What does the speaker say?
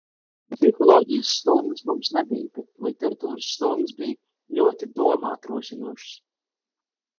Psiholoģijas stundas mums nebija, bet literatūras stundas bija ļoti domāt rosinošas.